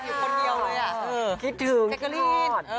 ขอบใจด้วยค่ะคิดถึงตะกะลีน